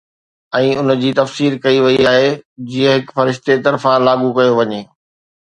۽ ان جي تفسير ڪئي وئي آهي جيئن هڪ فرشتي طرفان لاڳو ڪيو وڃي